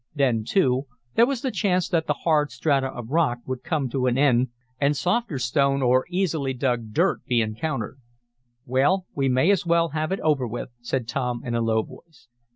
Then, too, there was the chance that the hard strata of rock would come to an end and softer stone, or easily dug dirt, be encountered. "Well, we may as well have it over with," said Tom in a low voice.